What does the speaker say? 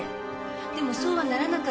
でもそうはならなかった。